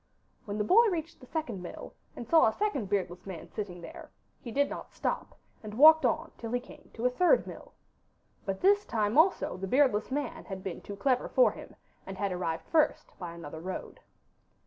When the boy reached the second mill, and saw a second beardless man sitting there, he did not stop, and walked on till he came to a third mill. But this time also the beardless man had been too clever for him, and had arrived first by another road.